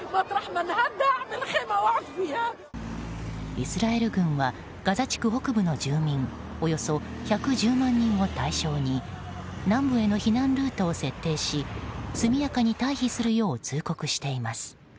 イスラエル軍はガザ地区北部の住民およそ１１０万人を対象に南部への避難ルートを設定し速やかに退避するよう通告しています。